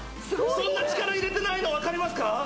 そんな力入れてないの分かりますか？